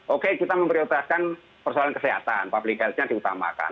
oke kita memprioritaskan persoalan kesehatan public health nya diutamakan